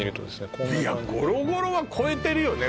こんな感じでいやゴロゴロは超えてるよね